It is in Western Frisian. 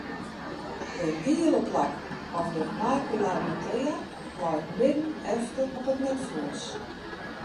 It giele plak of de macula lutea leit midden efter op it netflues.